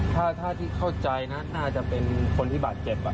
ถ้าที่เข้าใจนะน่าจะเป็นคนที่บาดเจ็บ